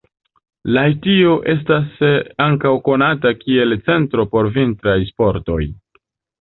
Lahtio estas ankaŭ konata kiel centro por vintraj sportoj.